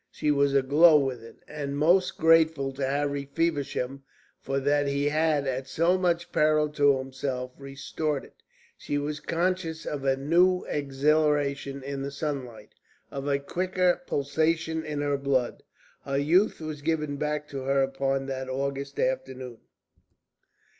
She was aglow with it, and most grateful to Harry Feversham for that he had, at so much peril to himself, restored it. She was conscious of a new exhilaration in the sunlight, of a quicker pulsation in her blood. Her youth was given back to her upon that August afternoon.